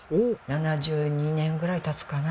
７２年ぐらい経つかな？